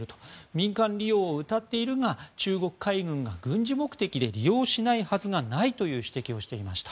民間利用をうたっているが中国海軍が軍事目的で利用しないはずがないという指摘をしていました。